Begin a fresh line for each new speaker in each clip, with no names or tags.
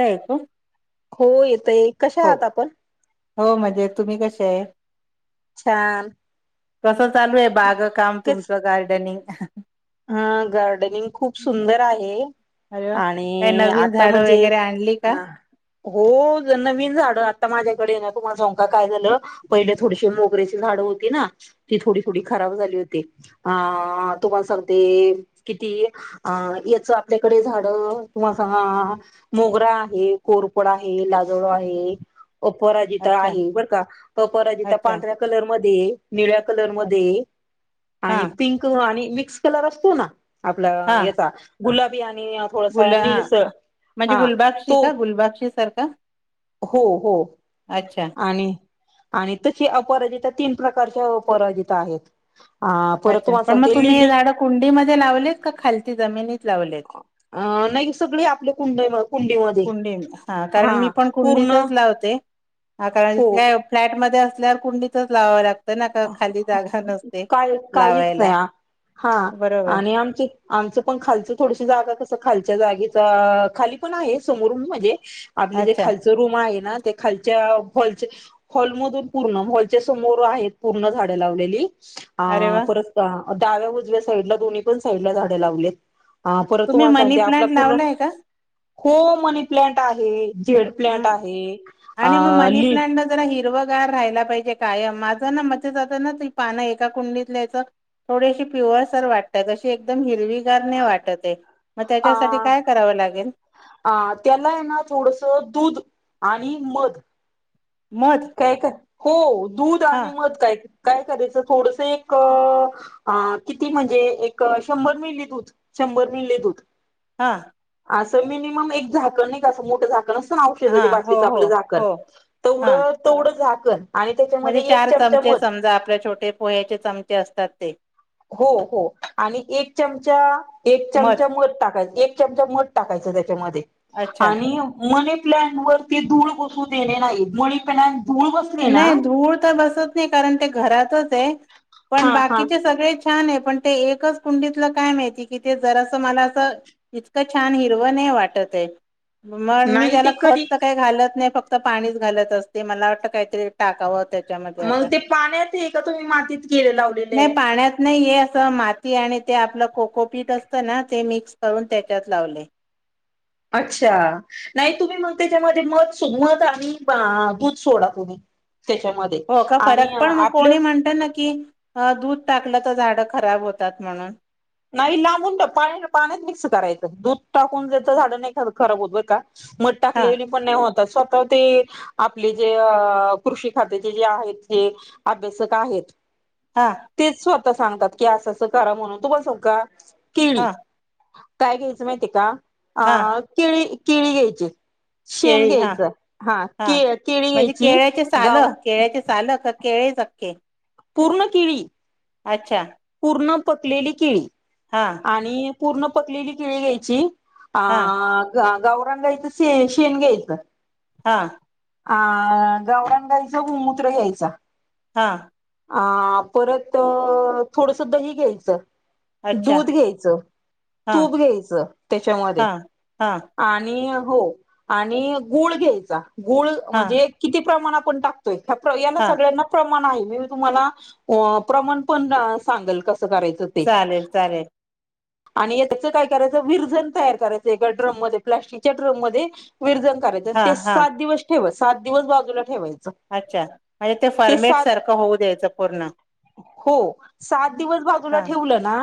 ऐकू?
हो येतय कशा
हो,
आहात आपण
हो म्हणजे तुम्ही कशे हे?
छान.
कसं चालू हे बागकाम तुमचं गार्डनिंग?
हा गार्डनिंग खूप सुंदर आहे.
अरे वा काही
आणि
नवीन
आता
झाडं
म्हणजे
वगैरे आणली का
हो जन नवीन झाडं आता माझ्याकडे ये ना तुम्हाला सांगू का काय झालं. पहिले थोडीशी मोगऱ्याची झाडं होती ना ती थोडी-थोडी खराब झाली होती अं तुम्हाला सांगू ते किती, अं, याचं आपल्याकडे झाडं. तुम्हा सांगा मोगरा आहे, कोरफड आहे, लाजाळू आहे, अपराजिता
अच्छा
आहे, बर का? अपराजिता
अच्छा
पांढऱ्या कलरमध्ये, निळ्या
अ-
कलरमध्ये,
हा
आणि पिंक क, आणि मिक्स कलर असतो ना, आपला
हा
याचा, गुलाबी आणि
गुल
थोडासा
हा.
निळसर
म्हणजे
हा
गुलबक्षी
तो
का? गुलबक्षी सारखा?
हो हो.
अच्छा
आणि आणि तशी अपराजिता तीन प्रकारच्या अपराजिता आहेत. आ परत
अच्छा
तुम्हाला
पण मग
सांगतो
तुम्ही हे
लिली
झाडं कुंडीमध्ये लावलेत, का खालती जमिनीत लावलेत?
अ नाही सगळे आपल्या कुंड-कुंडीमध्ये.
कुंडी. हा कारण मी पण कुंडीतच लावते. कारण
हो
काय फ्लॅट मध्ये असल्यावर कुंडीच लावावं लागत तर ना का, खाली जागा नसते
काय काहीच नाही
लावायला.
हा
बरोबर
आणि आमची आमचं पण खालचं थोडसं जागा कसं, खालच्या जागेच अ खाली पण आहे समोर म्हणजे आपले जे
अच्छा
खालचं रूम आहे ना ते खालच्या हॉलच्या, हॉलमधून पूर्ण हॉलच्या समोर आहेत पूर्ण झाडे लावलेली. अ
अरे वा
परत आ, डाव्या उजव्या साईडला, दोन्ही पण साईडला झाडं लावलीत. हा परत
तुम्ही
तुम्हाला
मनी
सांगते आपला
प्लांट
पूर्ण
लावलाय का?
हो मनी प्लांट आहे, जेड प्लांट आहे,
आणि मग
अं
मनी
लि
प्लांटला जरा हिरवगार राहिला पाहिजे कायम. माझं ना मत जातं ना त पानं एका कुंडीतल्यायचं थोडीशी पिवळसर वाटतात. अशी एकदम हिरवी गार नाय वाटत आहे. मग त्याच्यासाठी काय करावं लागेल?
अं, त्याला आहे ना थोडसं दूध आणि मध
मध
द्यायचं? हो दूध
हा
आणि मध द्यायचं. काय करायचं, थोडसं एक अं किती म्हणजे एक शंभर मिली दूध शंभर मिली दूध.
हा,
असं मिनिमम एक झाकण नाही का असं मोठं झाक नसतं ना
हा
औषध
हो
बाटलीचं
हो
आपलं झाकण,
हो हा
तेवढं तेवढं झाकण आणि
म्हणजे
त्याच्यामध्ये एक
चार
चमचा
चमचे
मध
समजा. आपल्या छोटे पोह्याचे चमचे असतात ते.
हो हो. आणि एक चमचा, एक चमचा मध टाकायचं. एक चमचा मध टाकायचं त्याच्यामध्ये
अच्छा
आणि मनी प्लांट वरती धूळ बसू देणे नाही. मनी प्लांट धूळ बस
नाही धूळ तर बसत नाही कारण ते घरातच आहे, पण
हा हा
बाकीचे सगळे छान आहे, पण ते एकच कुंडीतलं काय माहिती की ते जरासं, मला असं इतकं छान हिरवं नाही वाटत आहे. मण मी
नाही
त्याला
ते
खत
कधी
तर काही घालत नाही, फक्त पाणीच घालत असते. मला वाटतं काय ते टाकावं त्या
मग ते पाण्यात हे? का तुम्ही मातीत केले लावलेले
नाही
आहे?
पाण्यात नाही हे असं माती आणि ते आपलं कोकोपीठ असतं ना, ते मिक्स करून त्याच्यात लावले.
अच्छा. नाही तुम्ही मग ते त्याच्या मध्ये मध, मध आणि दूध सोडा तुम्ही त्याच्यामध्ये.
हो का
आणि
फरक पण मग
आपलं
कोणी म्हणत ना की अ दूध टाकलं तर झाडं खराब होतात म्हणून.
नाही लांबून पा पाण्यात मिक्स करायचं दूध टाकून द्यायचं झाड नाही खराब होत बरं का! मध
हा
टाकलेली पण नाही होत स्वतः ते आपले जे कृषी खात्याचे जे आहेत जे अभ्यासक आहेत
हा.
तेच स्वतः सांगतात की असं असं करा म्हणून, तुम्हाला सांगु का केळी
हा
काय घ्यायचं माहिती का,
हा
अ केळी केळी घ्यायची. शेण
केळी हा
घ्यायचं, हा के केळी
म्हणजे
घ्यायची
केळ्याचे साल
गाव
केळ्याचे साल का केळेच अख्खे?
पूर्ण किळी.
अच्छा.
पूर्ण पकलेली केळी.
हा.
आणि पूर्ण पकलेली केळी घ्यायची आ
हा
गा गावरान गाईचं शेण घ्यायचं
हा
आ गावराण गाईचं गुमूत्र घ्यायचा
हां.
आ परत थोडंसं दही घ्यायचं
अच्छा
दूध घ्यायचं,
हा
तूप घ्यायचं त्याच्यामध्ये
हा हा
आणि हो आणि गुळ घ्यायचा गुळ
हा
म्हणजे किती प्रमाण आपण टाक तोय ए याना
हा
सगळ्यांना प्रमाण आहे, मी तुम्हाला प्रमाण पण सांगेल कसं करायचं ते
चालेल चालेल.
आणि त्याचं काय करायचं विरझन तयार करायचं एका ड्रममध्ये प्लास्टिक च्या ड्रममध्ये विरझन करायचं आणि
हा
ते
हा
सात दिवस ठेव सात दिवस बाजूला ठेवायचं.
अच्छा, म्हणजे ते फरमेट सारखं होऊ द्यायचं पूर्ण.
हो सात दिवस बाजूला
हा
ठेवलं ना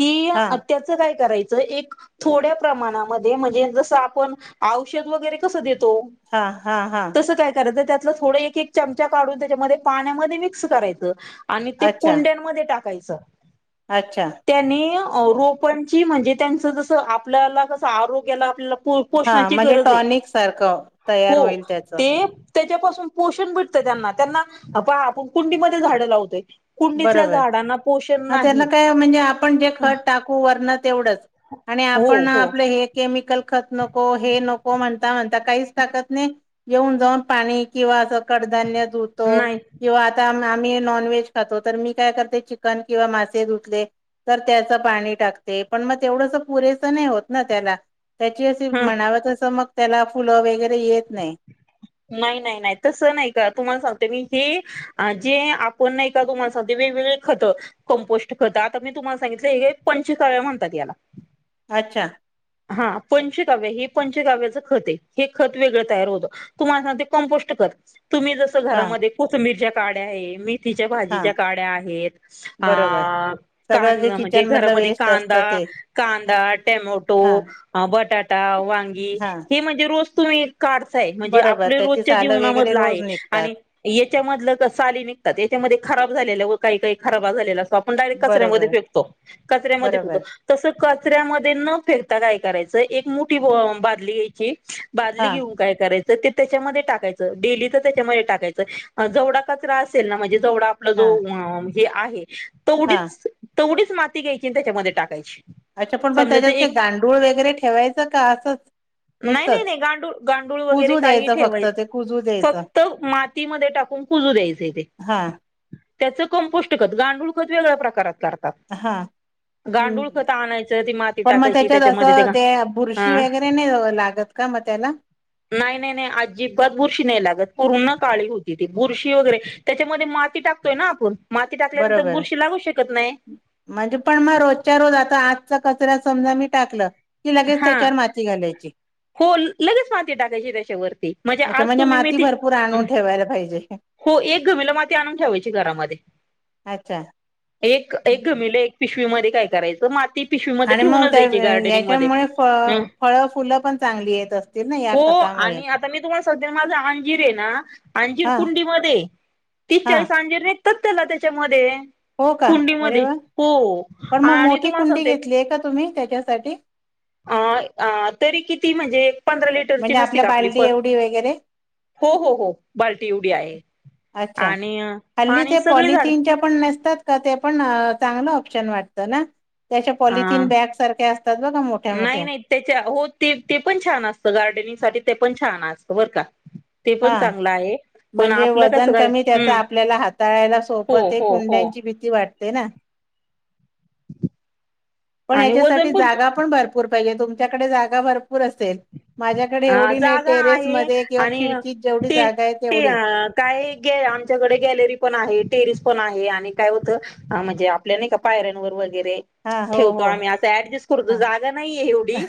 की
हा
आ त्याचं काय करायचं एक थोड्या प्रमाणामध्ये म्हणजे जसं आपण औषध वगैरे कसं देतो
हा हा हा.
स काय करायचं त्यात थोडं एक एक चमचा काढून त्याच्यामध्ये पाण्यामध्ये मिक्स करायचं आणि ते
अच्छा
कुंड्यांमध्ये टाकायचं.
अच्छा.
त्यांनी रोपांची म्हणजे त्यांचं जसं आपल्याला कसं आरोग्याला आपल्याला
हा
पोषणाची
म्हणजे
गरज आहे
टॉनिक सारखं तयार
हो
होईल त्याच
ते त्याच्यापासून पोषण भेटतं त्यांना त्यांना पहा आपण कुंडीमध्ये झाडं लावतोय कुंडीतल्या
बरोबर
झाडांना पोषण
हा त्यांना
नाही
काय म्हणजे आपण जे खत टाकू वरण तेवढंच आणि
हो
आपण
हो
आपलं हे केमिकल खत नको हे नको म्हणता म्हणता काहीच टाकत नाही. येऊन जाऊन पाणी किंवा असं कडधान्य दूध
नाही.
किंवा आता आम्ही नॉनव्हेज खातो तर मी काय करते चिकन किंवा मासे धुतले तर त्याचं पाणी टाकते पण मग तेवढंस पुरेसं नाही होत ना त्याला. त्याची अशी
हा
म्हणाव तसं मग त्याला फुलं वगैरे येत नाही.
नाही नाही नाही तसं नाही का तुम्हाला सांगते मी हे जे आपण नाही. तुम्हालासाठी वेगवेग खतं. कंपोस्ट करत आता मी तुम्हाला सांगितलं हे पंचकाव्या म्हणतात याला.
अच्छा.
हा पंचकाव्य हे पंचकाव्याचं खत आहे हे खत वेगळं तयार होतं. तुम्हाला ना ते कं्पोस्ट कर तुम्ही जसं
हां
घरामध्ये कोथंबीरच्या काड्या आहे मी. तिच्या
हां
भाजीच्या काड्या आहेत. अ
बरोबर सगळं
कां
जे
म्हणजे
किचन मधलं
घरामध्ये
वेस्ट असतं
कांदा.
ते
कांदा टमोटो.
हां
ह बटाटा वांगी
हां
हे म्हणजे रोज तुम्ही काढताय. म्हणजे
बरोबर
आपल्या
त्याची
रोजच्या
सालं वगैरे
जीवनामधला
रोज
आहे
निघतात
आणि याच्यामधलं साली निघतात याच्यामध्ये खराब झालेला व काही काही खराबा झालेला स्. पण डायरेट कचऱ्यामध्ये
बरोबर
फेिकतो कचऱ्यामध्ये
बरोबर
फिककतो. तसं कचऱ्यामध्ये न फेकता काय करायचं एक मोठी बादली घ्यायची. बादली
हां
घेऊन काय करायच? तर ते त्याच्यामध्ये टाकायचं डेली तर त्याच्यामध्ये टाकायचं जवढा कचरा असेल ना म्हणजे जवढा. आप जो
हां
हे आहे
हां
तेवढीच तेवढीच माती घ्यायची त्याच्यामध्ये टाकायची.
अच्छा पण मग
समजायच
त्याच्यात काही
एक
गांडूळ वगैरे ठेवायचं का असंच
नाही नाही
नुसतंच.
नाही गांडूळ गांडूळ वगैरे
कुजू
काही.
द्यायचं
ठेवा
फक्त ते कुजू द्यायचं
फक्त मातीमध्ये टाकून कजू द्यायच ते
हां
त्यां कं्पोस्ट खत गांडूळ खत वेगळ्या प्रकारात करत.
हा. ह्
आणायचं ती माती
पण मग
टाकायची
त्याच्यात
त्याच्यामध्ये
असं ते बुरशी
हा
वगैरे नाही लागत. काय म्हणलं?
नाही नाही. नाही अजिबात बुरशी नाही लागत पूर्ण काळी होती ती बुरशी वगैरे त्याच्यामध्ये माती टाकतोय ना आपण. माती टाकल्यानंतर
बरोबर
बुरशी लागू शकत नाही.
म्हणजे पण मग रोजच्या रोज आता आजचा कचरा समजा मी टाकलं. की लगेच
हा
त्याच्यावर माती घालायची.
हो लगेच माती टाकायची त्याच्यावरती म्हणजे
अच्छा
आज तुम्ही मी
माती
ति
भरपूर आणून ठेवायला पाहिजे
हो एक घमिला माती आणून ठेवायची घरामध्ये
अच्छा
एक एक घमिलं एक पिशवीमध्ये काय करायचं माती पिशवीमध्येध्ये ठेवूनच द्यायची गार्डनिंग मध्ये
त्यामुळे फ
अ
फळ फुल पण चांगली येत असतील ना या खतामुळे.
्या माझा अंजीर आहे ना अंजीर
हा
कुंडी मध्ये तीस
हा
चाळीस अंजीर. तर त्याला त्याच्यामध्ये
हो का अरे
कुंडीमध्ये
वा
हो.
पण मग
आणि
मोठी
तुम्हाला
कुंडी
सांगते
घेतलीय का तुम्ही त्याच्यासाठी.
अ तरी किती म्हणजे पंधरा लिटरची
म्हणजे
नसती
आपल्या
का आपली
बालदी
पण
एवढी वगैरे
हो हो हो बाल्टी एवढी आहे
अच्छा
आणि आणि सगळे झाड.
ण नसतात का ते पण चांगलं ऑप्शन वाटतं ना. त्याच्या
अ
पॉलिथीन बॅग सारख्या असतात बघा मोठ्या
नाही
मोठ्या.
नाही त्याच्या हो ते ते पण छान असत गार्डनिंग साठी ते पण छान असत बर का. ते पण
हा
चांगलं आहे. पण
म्हणजे
आपलं कसं
वजन
काय
कमी त्याच
हम्म
आपल्याला हाताळायला
हो
सोपं ते
हो हो
कुंड्यांची भीती वाटते. पण
आणि वजन
याच्यासाठी जागा पण भरर. े तुमच्याडे जागा भरपूर असेल माझ्याकडे
अ
एवढी
जागा
टेरेस म
आहे
किंवा
आणि
खड. [unintelligible] ती जेवढी
ते
जागा आहे
ते
तेवढीच,
काय ग आमच्याकडे गॅलरी पण आहे, टेरिस पण आहे आणि काय होतं. हा म्हणजे आपल्या नाही का पायर्यानवर वगैरे,
हा हो
ठेवतो
हो
आम्ही अस ऍडजस्ट करतो,
हा
जागा नाहीये एवढी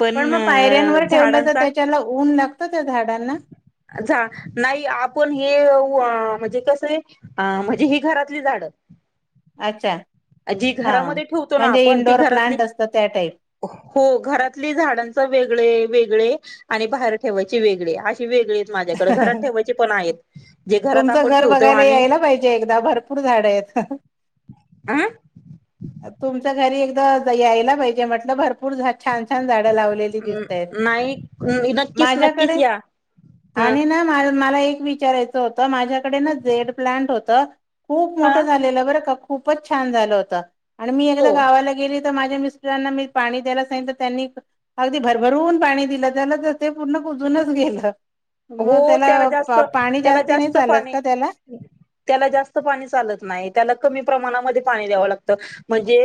पण
मग पायऱ्यांवर ठेवलं तर
झाडांचा
त्याच्याला ऊन लागत त्या झाड
झा नाही आपण हे म्हणजे कस आहे. ह म्हणजे ही घरातली झाडं
अच्छा!
जी
हा
घरामध्ये ठेवतो ना
म्हणजे
आपण ती
इंडोर
घरातली
प्लांट असतं त्या टाईप
हो घरातली झाडांचे वेगळे आहे. वेगळे आहे. आणि बाहेर ठेवायचे वेगळे अशी वेगळे माझ्याकडे घरात ठेवायचे पण आहेत जे घरात
तुमचं
आपण
घर
ठेवतो
बघायला
आणि
यायला पाहिजे एकदा भरपूर झाड आहेत.
आं
तुमच्या घरी एकदा यायला पाहिजे म्हटलं भरपूर भरपूर छान छान झाडं लावलेली दिसतायेत.
नाही नक्कीच नक्कीच
माझ्याकडे
या ह
आणि ना मला एक विचारायचं होतं, माझ्याकडे ना झेड प्लांट होत, खूप
हा
मोठं झालेलं बरं का खूपच छान झालं होतं, आणि मी
हो
एकदा गावाला गेली माझ्या मिस्टरांना मी पाणी द्यायला सागितल, तर त्यांनी अगदी भरभरून पाणी दिलं त्याला तर ते पूर्ण कुजूनच गेलं. मग
हो त्याला जास्त
पा- पाणी
त्याला
जास्ती नाही
जास्त
चालत
पाणी
का त्याला
त्याला जास्त पाणी चालत नाही. त्याला कमी प्रमाणामध्ये पाणी द्यावं लागत म्हणजे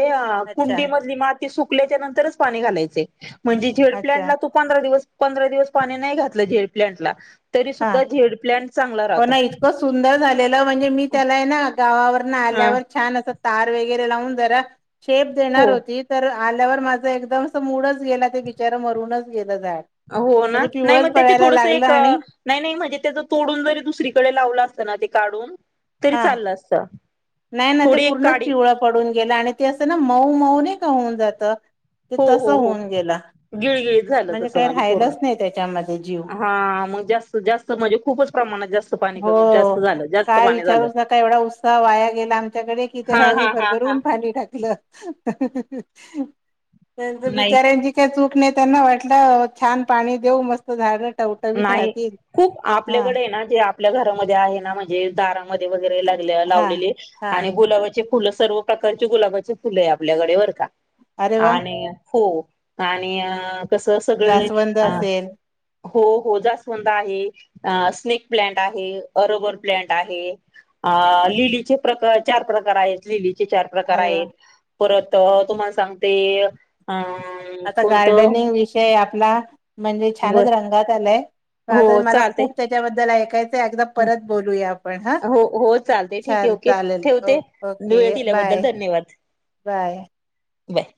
अच्छा
कुडीमधली माती सुकल्याच्या नंतरच्या पाणी द्यायचं. म्हणजे झेड
अच्छा
प्लाॅन्टला तुम्ही पंधरा दिवस पाणी नाही घातलं झेड प्लाॅन्टला तरी
हा
सुध्दा झेड प्लाॅन्ट
हो ना इतकं सुंदर झालेलं म्हणजे मी त्याला ना गावावर न
हा
आल्यावर छान अस तार वैगरे लावून जरा शेप
हो
देणार होती तर आल्यावर माझं एकदम मूडच गेला, ते बिचारा मरूनच गेलं झाड
हो ना,
म्हणजे
नाही
पिवळच
मग त्याचे
पडायला
थोडस
लागलं
एक
आणि
नाही नाही म्हणजे त्याच तोडून जरी, दुसरीकडे लावलं असतं ना, ते काढून तरी
हा,
चाललं असत
नाही ना ते
थोडी एक
पूर्णच
काडी
पिवळा पडून गेल, आणि ते असं ना मऊ-मऊ नाही का होऊन जातं. ते
हो
तसं
हो हो
होऊन गेलं
गिळ गिळ
म्हणजे काही राहिलंच नाही त्याच्यामध्ये जीव,
हा मग जास्त जास्त म्हणजे खूपच प्रमाणात जास्त पाणी
हो
कमी जास्त झालं. जास्त
काय
पाणी झालं
विचारूच नका, एवढा उत्साह वाया गेला आमच्याकडे कि,
हा
त्या अगदी
हा हा हा
भरभरून पाणी टाकलं, त्याच्या
नाही
बिचार्यांची त्याची काही चूक नाही. त्यांना वाटलं छान पाणी देऊ मस्त झाड टव
नाही खूप आपल्याकडे ना जे आपल्या घरामध्ये आहे ना म्हणजे दारां मध्ये-मध्ये लय
हा
लावलेली,
हा
आणि गुलाबाचे फुल फुलं सर्व प्रकारचे गुलाबाचे फुलं आहे आपल्याकडे बर का,
अरे वा
आणि हो आणि अ कसं सगळं
जास्वंद
अ
असेल
हो हो जास्वंद आहे, स्नेक प्लन्ट आहे, ओरोगो प्लन्ट आहे. अ लिलीचे प्रकार चार प्रकार आहेत. लिली चार प्रकार
अरे वा
आहेत. परत तुम्हाला सांगते
आता
कोणतं
गार्डनिंग विषय आपला म्हणजे छानच
बर
रंगात आलाय.
हो
आता मला
चालते
खूप त्याच्याबद्दल ऐकायच. ते एकदा परत बोलूया आपण हा,
हो हो चालते ठीक आहे
चार
ओके
चालेल हो,
ठेवते वेळ
ओके
दिल्याबद्दल
बाय
धन्यवाद
बाय.
बाय.